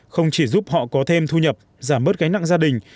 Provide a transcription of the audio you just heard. không chỉ giúp họ có thêm thu nhập giảm bớt gánh nặng gia đình